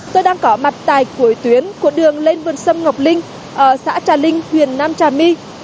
tôi đang có mặt tại cuối tuyến của đường lên vườn sâm ngọc linh ở xã trà linh huyện nam trà my